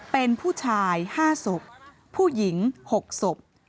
เป็นผู้ชาย๕ศพผู้หญิง๖ศพ